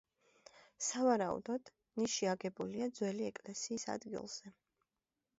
სავარაუდოდ ნიში აგებულია ძველი ეკლესიის ადგილზე.